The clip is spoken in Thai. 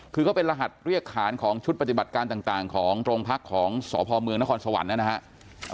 คือเขาเป็นรหัสเรียกขานของชุดปฏิบัติการต่างของโรงพักของสพเมืองนครสวรรค์นะครับ